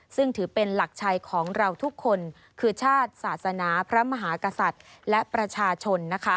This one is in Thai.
ซึ่งถือเป็นหลักชัยของเราทุกคนคือชาติศาสนาพระมหากษัตริย์และประชาชน